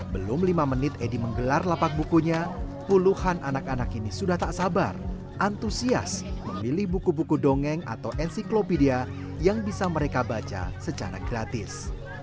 belum lima menit edy menggelar lapak bukunya puluhan anak anak ini sudah tak sabar antusias memilih buku buku dongeng atau ensiklopidia yang bisa mereka baca secara gratis